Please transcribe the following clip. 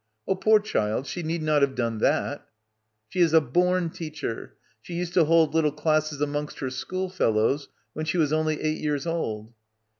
"Oh, poor child, she need not have done that." "She is a bom teacher. She used to hold little classes amongst her schoolfellows when she was only eight years old."